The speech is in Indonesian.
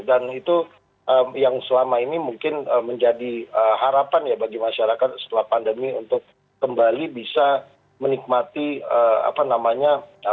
itu yang selama ini mungkin menjadi harapan ya bagi masyarakat setelah pandemi untuk kembali bisa menikmati apa namanya